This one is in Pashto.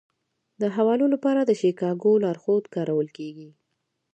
د حوالو لپاره د شیکاګو لارښود کارول کیږي.